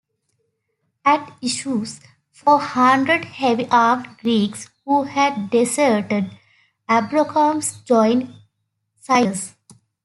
At Issus four hundred heavy-armed Greeks, who had deserted Abrocomas, joined Cyrus.